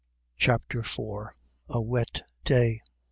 CHAPTER IV. A WET DAY.